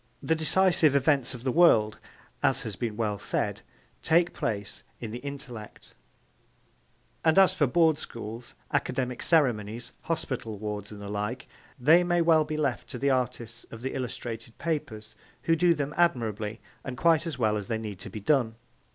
'The decisive events of the world,' as has been well said, 'take place in the intellect,' and as for Board schools, academic ceremonies, hospital wards and the like, they may well be left to the artists of the illustrated papers, who do them admirably and quite as well as they need be done.